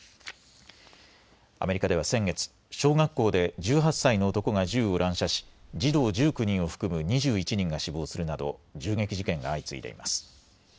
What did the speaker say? アメリカでは先月、小学校で１８歳の男が銃を乱射し児童１９人を含む２１人が死亡するなど銃撃事件が相次いでいます。